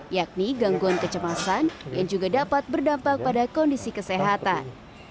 yakni gangguan kecemasan yang juga dapat berdampak pada kondisi kesehatan